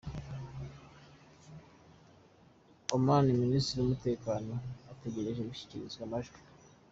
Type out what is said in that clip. Oman: Minisitiri w’ umutekano ategereje gushyikirizwa amajwi.